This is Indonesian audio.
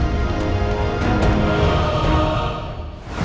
dan saya berharap